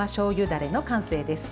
だれの完成です。